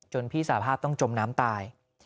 พี่สาภาพต้องจมน้ำตาย